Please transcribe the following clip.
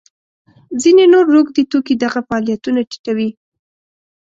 ځینې نور روږدي توکي دغه فعالیتونه ټیټوي.